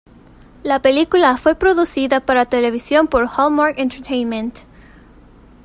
La película fue producida para televisión por Hallmark Entertainment.